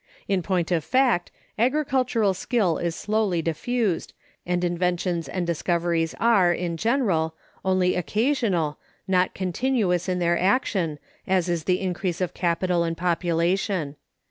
In point of fact, agricultural skill is slowly diffused, and inventions and discoveries are, in general, only occasional, not continuous in their action, as is the increase of capital and population.